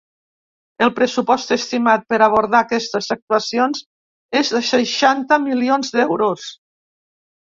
El pressupost estimat per abordar aquestes actuacions és de seixanta milions d’euros.